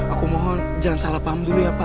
aku mohon jangan salah paham dulu ya pak